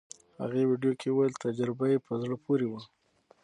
هغې ویډیو کې وویل تجربه یې په زړه پورې وه.